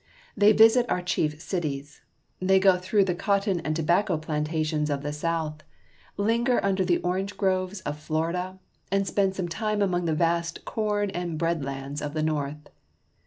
They visit our chief cities. They go through the cotton and tobacco plantations of the South, linger under the orange groves of Florida, and spend some time among the vast corn and bread lands of the North.